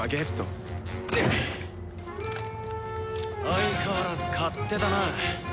相変わらず勝手だな。